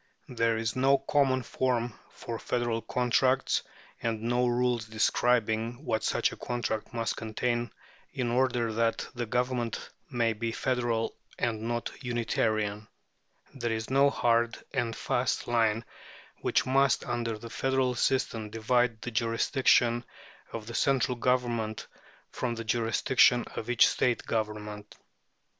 There is no common form for federal contracts, and no rules describing what such a contract must contain in order that the Government may be federal and not unitarian. There is no hard and fast line which must, under the federal system, divide the jurisdiction of the central Government from the jurisdiction of each State Government.